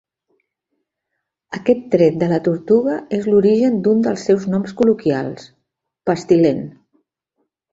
Aquest tret de la tortuga és l'origen d'un dels seus noms col·loquials, "pestilent".